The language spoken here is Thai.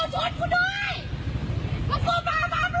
จะกลับบ้าน